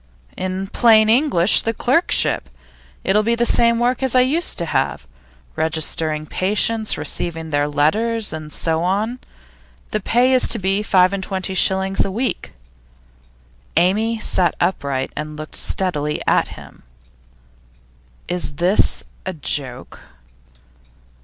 'In plain English, the clerkship. It'll be the same work as I used to have registering patients, receiving their "letters," and so on. The pay is to be five and twenty shillings a week.' Amy sat upright and looked steadily at him. 'Is this a joke?